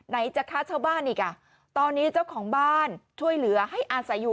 จะฆ่าชาวบ้านอีกอ่ะตอนนี้เจ้าของบ้านช่วยเหลือให้อาศัยอยู่